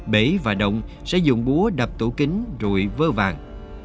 bế và động sẽ dùng búa đập tủ kính rụi vơ vàng